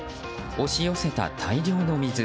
押し寄せた大量の水。